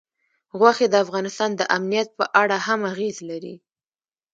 غوښې د افغانستان د امنیت په اړه هم اغېز لري.